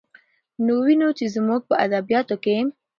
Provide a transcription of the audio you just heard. نو وينو، چې زموږ په ادبياتو کې